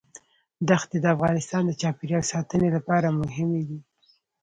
دښتې د افغانستان د چاپیریال ساتنې لپاره مهم دي.